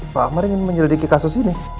pak akbar ingin menyelidiki kasus ini